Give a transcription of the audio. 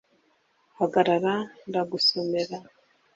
hagarara ndagusomera